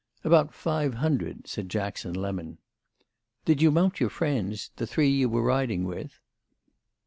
"About five hundred," said Jackson Lemon. "Did you mount your friends—the three you were riding with?"